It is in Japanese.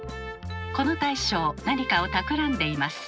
この大将何かをたくらんでいます。